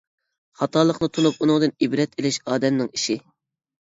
خاتالىقىنى تونۇپ ئۇنىڭدىن ئىبرەت ئېلىش-ئادەمنىڭ ئىشى.